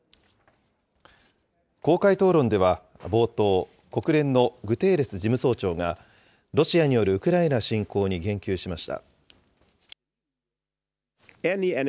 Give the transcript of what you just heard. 公開討論では冒頭、国連のグテーレス事務総長がロシアによるウクライナ侵攻に言及しました。